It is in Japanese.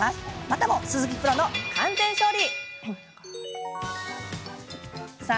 またも鈴木プロの完全勝利です！